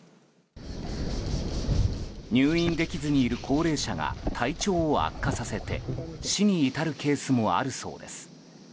入院できずにいる高齢者が体調を悪化させて死に至るケースもあるそうです。